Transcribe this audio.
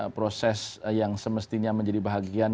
proses yang semestinya menjadi bahagian